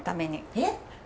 えっ！